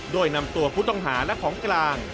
โดยนำตัวผู้ต้องหาและของกลาง